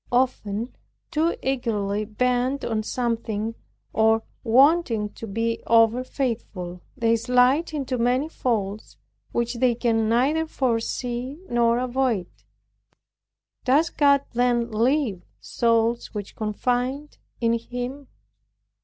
Often too eagerly bent on something, or wanting to be over faithful, they slide into many faults, which they can neither foresee nor avoid. Does God then leave souls which confide in Him?